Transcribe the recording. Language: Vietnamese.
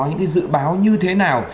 những cái dự báo như thế nào